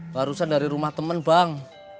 barusan dari rumah teman bang